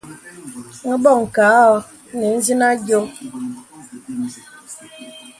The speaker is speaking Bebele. Mə̀ bɔŋ kà ɔ̄ɔ̄ nə ìzìnə àyɔ̄.